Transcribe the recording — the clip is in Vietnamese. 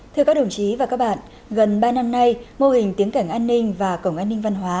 thưa các đồng chí và các bạn gần ba năm nay mô hình tiếng cảnh an ninh và cổng an ninh văn hóa